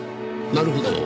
なるほど。